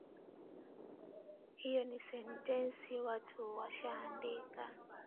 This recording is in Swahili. Hio ni sentensi watu washaandika